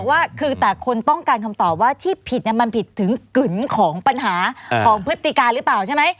ว่าคือแต่คนต้องการคำตอบว่าที่ผิดมันผิดถึงกึ่งของปัญหาของพฤติการหรือเปล่าใช่ไหม